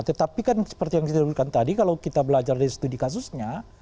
tetapi kan seperti yang kita sebutkan tadi kalau kita belajar dari studi kasusnya